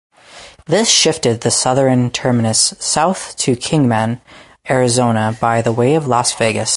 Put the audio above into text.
This shifted the southern terminus south to Kingman, Arizona by way of Las Vegas.